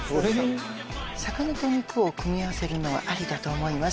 魚と肉を組み合わせるのはありだと思います。